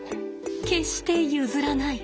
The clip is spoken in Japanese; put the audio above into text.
決して譲らない。